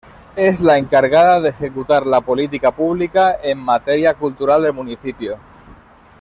Es la encargada de ejecutar la política pública en materia cultural del municipio.